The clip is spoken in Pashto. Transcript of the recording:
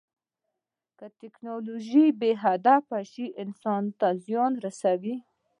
که ټیکنالوژي بې هدفه شي، انسان ته زیان رسوي.